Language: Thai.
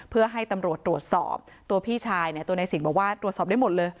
เพื่อให้ตำรวจตรวจสอบตัวพี่ชายเนี่ยตัวในสิ่งบอกว่าตรวจสอบได้หมดเลย